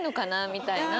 みたいな。